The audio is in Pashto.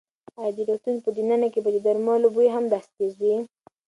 ایا د روغتون په دننه کې به د درملو بوی هم داسې تېز وي؟